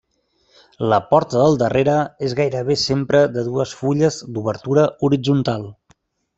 La porta del darrere és gairebé sempre de dues fulles d'obertura horitzontal.